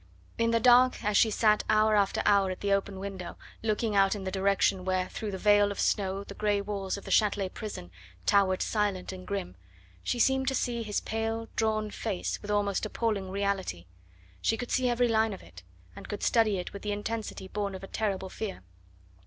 In the dark, as she sat hour after hour at the open window, looking out in the direction where through the veil of snow the grey walls of the Chatelet prison towered silent and grim, she seemed to see his pale, drawn face with almost appalling reality; she could see every line of it, and could study it with the intensity born of a terrible fear.